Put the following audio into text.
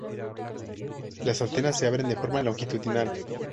Las anteras se abren de forma longitudinal.